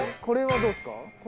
これはどうですか？